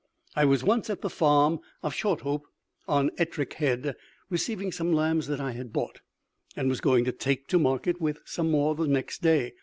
I was once at the farm of Shorthope on Ettrick Head, receiving some lambs that I had bought, and was going to take to market, with some more, the next day.